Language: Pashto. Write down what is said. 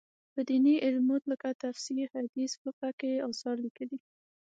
په دیني علومو لکه تفسیر، حدیث، فقه کې یې اثار لیکلي.